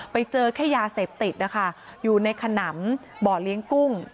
ไปเจอแค่ยาเสพติดนะคะอยู่ในขนำบ่อเลี้ยงกุ้ง